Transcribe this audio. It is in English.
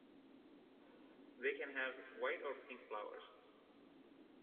They can have white or pink flowers.